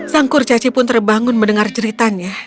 sang kurcaci pun terbangun mendengar jeritannya